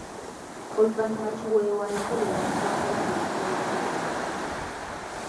Oluvannyuma Kiweewa yagobebwa ku Bwakabaka ne buweebwa Kalema.